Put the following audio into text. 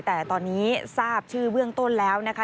แต่ตอนนี้ทราบชื่อเบื้องต้นแล้วนะคะ